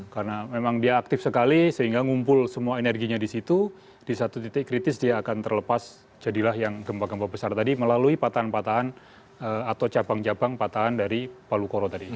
karena memang dia aktif sekali sehingga ngumpul semua energinya di situ di satu titik kritis dia akan terlepas jadilah yang gempa gempa besar tadi melalui patahan patahan atau cabang cabang patahan dari palu koro tadi